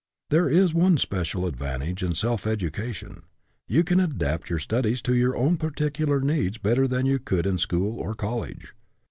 There is one special advantage in self edu cation, you can adapt your studies to your own particular needs better than you could in school or college.